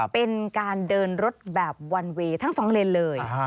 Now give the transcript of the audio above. เป็นการเดินรถแบบวันเวย์ทั้งสองเลนเลย